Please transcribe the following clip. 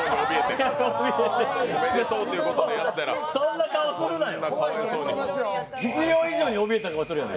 そんな顔すんなよ！